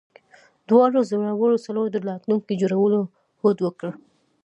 دواړو زړورو سړو د راتلونکي جوړولو هوډ وکړ